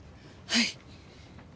はい。